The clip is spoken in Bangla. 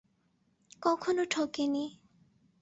কখনো ঠকে নি।